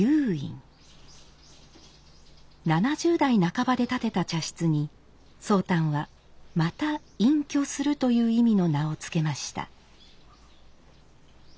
７０代半ばで建てた茶室に宗旦は「また隠居する」という意味の名を付けました。